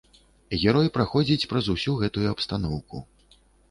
Герой праходзіць праз усю гэтую абстаноўку.